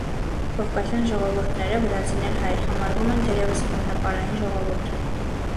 Կովկասյան ժողովուրդները (վրացիներ, հայեր) համարվում են թերևս ամենապարային ժողովուրդը։